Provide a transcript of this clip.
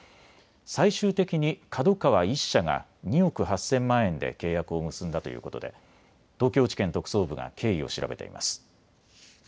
最終的にＫＡＤＯＫＡＷＡ１社が２億８０００万円で契約を結んだということで東京地検特捜部が経緯を調べています。